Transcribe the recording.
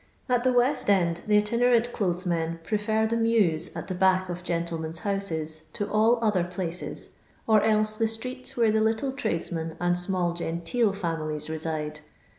At the West end the itinemnt clothes men pre fer the mews at the back of gentlemen's houses to all other pUtces, or else the streets where the little tradesmen and small genteel families reside.